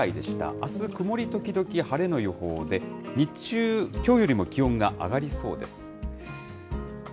あす曇り時々晴れの予報で、日中、きょうよりも気温が上がりそうです。